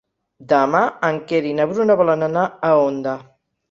Demà en Quer i na Bruna volen anar a Onda.